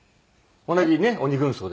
同じね鬼軍曹で。